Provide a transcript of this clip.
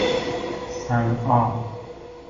صنعا